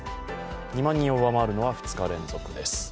２万人を上回るのは２日連続です。